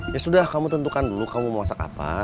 ya sudah kamu tentukan dulu kamu mau masak apa